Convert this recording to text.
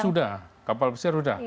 sudah kapal pesiar sudah